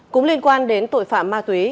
cũng liên quan đến tội phạm ma túy